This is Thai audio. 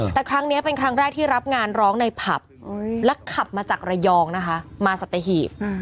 แต่ครั้งนี้เป็นครั้งแรกที่รับงานร้องในผับและขับมาจากระยองนะคะมาสัตหีบ